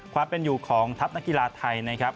ความเป็นอยู่ของทัพนักกีฬาไทยนะครับ